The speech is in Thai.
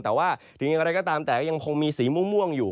แต่ว่าถึงอย่างไรก็ตามแต่ก็ยังคงมีสีม่วงอยู่